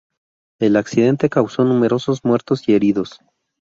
El accidente causó numerosos muertos y heridos.